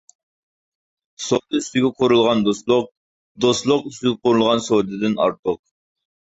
سودا ئۈستىگە قۇرۇلغان دوستلۇق، دوستلۇق ئۈستىگە قۇرۇلغان سودىدىن ئارتۇق.